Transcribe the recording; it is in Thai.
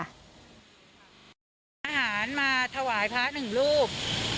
อาหารมาถวายพระหนึ่งรูป